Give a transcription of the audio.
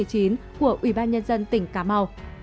của ủy ban nhân dân tỉnh cà mau